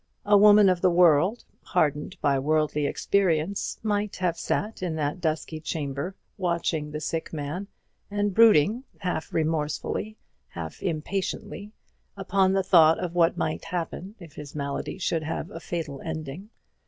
A woman of the world, hardened by worldly experience, might have sat in that dusky chamber watching the sick man, and brooding, half remorsefully, half impatiently, upon the thought of what might happen if his malady should have a fatal ending.